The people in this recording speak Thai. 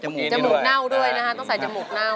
จมูกเน่าด้วยนะคะต้องใส่จมูกเน่า